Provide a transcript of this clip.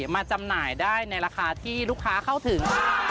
จำหน่ายได้ในราคาที่ลูกค้าเข้าถึง